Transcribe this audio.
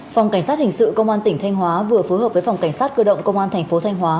phòng cảnh sát hình sự công an tỉnh thanh hóa vừa phối hợp với phòng cảnh sát cơ động công an thành phố thanh hóa